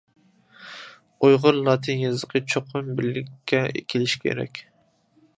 ئۇيغۇر لاتىن يېزىقى چوقۇم بىرلىككە كېلىشى كېرەك.